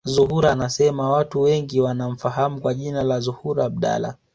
Zuhura anasema watu wengi wanamfahamu kwa jina la Zuhura Abdallah